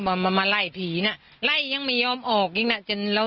มามาไล่ผีน่ะไล่ยังไม่ยอมออกอีกน่ะจนเรา